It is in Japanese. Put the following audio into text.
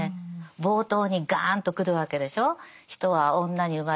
冒頭にガーンとくるわけでしょう。